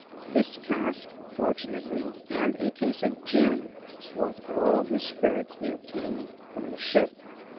This cask fortu nately, and a case of gi i, was all the spirits they obtained from the ship.